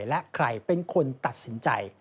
และใครเป็นคนตัดสินใจ